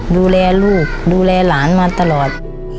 ดูแลลูกดูแลหลานมาตลอด